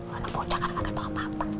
karena buca kan gak ngerti apa apa